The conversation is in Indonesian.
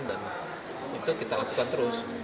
dan itu kita lakukan terus